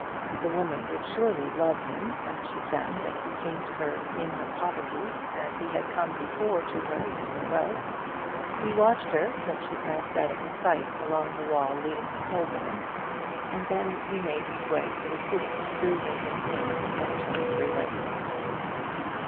The woman would surely love him when she found that he came to her in her poverty as he had before come to her in her wealth. He watched her till she passed out of his sight along the wall leading to Holborn, and then he made his way to the City through Lincoln's Inn and Chancery Lane.